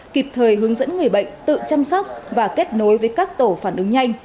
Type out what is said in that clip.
kịp thời hướng dẫn người bệnh tự chăm sóc và kết nối với các tổ phản ứng nhanh